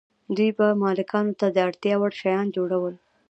دوی به مالکانو ته د اړتیا وړ شیان جوړول.